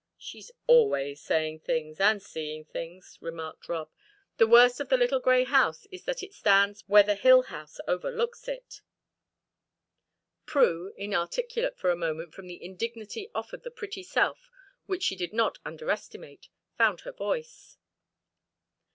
"She's always saying things and seeing things," remarked Rob. "The worst of the little grey house is that it stands where the hill house overlooks it." Prue, inarticulate for a moment from the indignity offered the pretty self which she did not underestimate, found her voice.